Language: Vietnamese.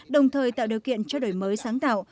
đồng thời tạo điều kiện cho đổi mới sáng tạo